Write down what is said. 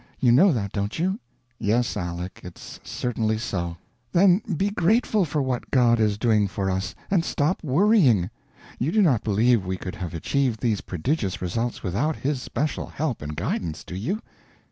You know that, don't you?" "Yes, Aleck, it's certainly so." "Then be grateful for what God is doing for us and stop worrying. You do not believe we could have achieved these prodigious results without His special help and guidance, do you?"